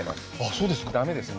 そうですか。